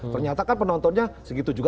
ternyata kan penontonnya segitu juga